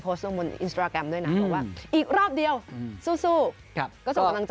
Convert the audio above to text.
โพสต์ตรงบนอินสตราแกรมด้วยนะอีกรอบเดียวสู้สู้ก็ส่งกำลังใจ